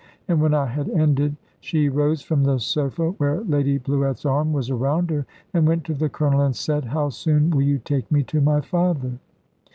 and when I had ended she rose from the sofa where Lady Bluett's arm was around her, and went to the Colonel and said, "How soon will you take me to my father!"